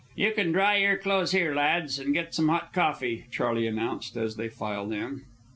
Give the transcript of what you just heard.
"You can dry your clothes here, lads, and get some hot coffee," Charley announced, as they filed in.